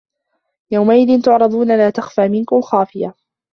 يَومَئِذٍ تُعرَضونَ لا تَخفى مِنكُم خافِيَةٌ